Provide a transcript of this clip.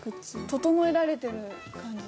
整えられてる感じ。